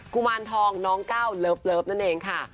กุมารทองน้องก้าวเลิฟนั่นเองค่ะ